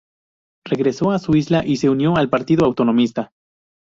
Regresó a su isla y se unió al Partido Autonomista.